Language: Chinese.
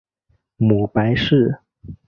母白氏。